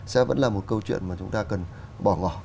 sẽ vẫn là một câu chuyện mà chúng ta cần bỏ ngỏ